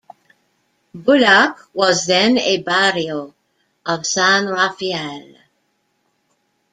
Bulak was then a barrio of San Rafael.